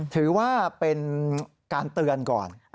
ถือว่าเป็นการเตือนก่อน